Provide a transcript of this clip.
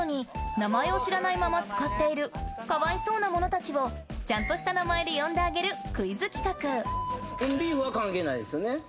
名前を知らないまま使っているかわいそうな物たちをちゃんとした名前で呼んであげるクイズ企画コンビーフは関係ないですよね？